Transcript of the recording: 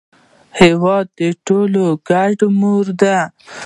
هېواد د ټولو ګډه مور ده.